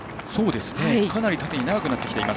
かなり縦に長くなってきています。